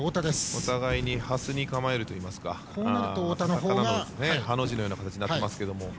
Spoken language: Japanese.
お互いに斜に構えるといいますかカタカナのハの字のような形になっていますが。